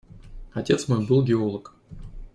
Отец мой был геолог.